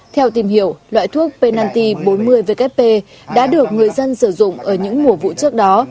theo tìm hiểu loại thuốc pennalty bốn mươi vkp đã được người dân sử dụng ở những mùa vụ trước đó